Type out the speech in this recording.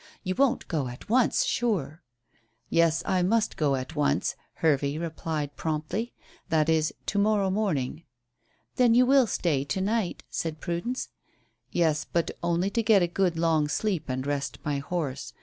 "You won't go at once, sure." "Yes, I must go at once," Hervey replied promptly. "That is, to morrow morning." "Then you will stay to night," said Prudence. "Yes; but only to get a good long sleep and rest my horse.